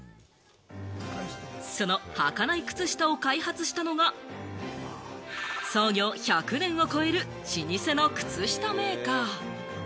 その、はかないくつしたを開発したのが創業１００年を超える老舗の靴下メーカー。